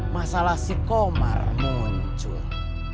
masalah si komar muncul